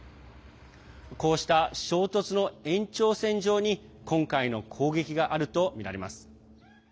こうした衝突の延長線上に今回の攻撃があるとみられます。